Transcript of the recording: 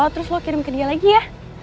terus lo kirim ke dia lagi ya